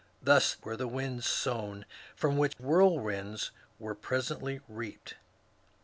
Thus were the winds sown from which whirlwinds were presently reaped